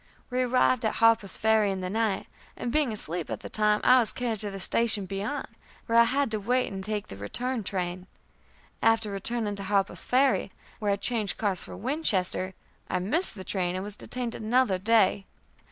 We arrived at Harper's Ferry in the night, and being asleep at the time, I was carried to the station beyond, where I had to wait and take the return train. After returning to Harper's Ferry, where I changed cars for Winchester, I missed the train, and was detained another day.